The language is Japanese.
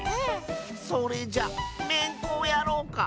それじゃめんこをやろうか。